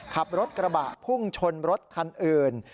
ขับรถกระบะพุ่งชนรถคันอื่น